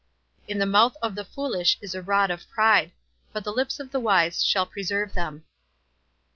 In the mouth of the foolish is a rod of pride ; but the lips of the wise shall preserve them."